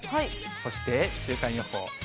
そして、週間予報。